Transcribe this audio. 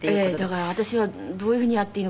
だから私はどういうふうにやっていいのか。